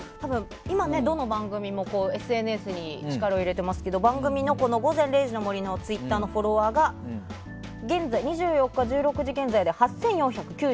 今、どの番組もＳＮＳに力を入れてますけどこの番組の「午前０時の森」のツイッターのフォロワーが２４日１６時現在で８４９５人。